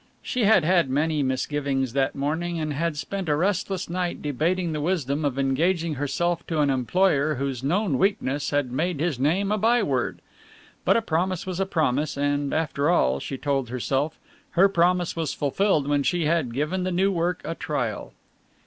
She had had many misgivings that morning, and had spent a restless night debating the wisdom of engaging herself to an employer whose known weakness had made his name a by word. But a promise was a promise and, after all, she told herself, her promise was fulfilled when she had given the new work a trial.